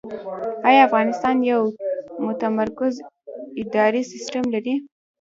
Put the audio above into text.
آیا افغانستان یو متمرکز اداري سیستم لري؟